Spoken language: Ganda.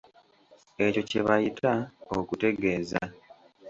Ekyo kye bayita; okutegeeza.